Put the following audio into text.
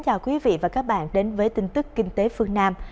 xin mời quý vị và các bạn đến với tin tức kinh tế phương nam